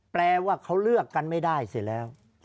แปลว่าเขาเลือกกันไม่ได้เสร็จแล้ว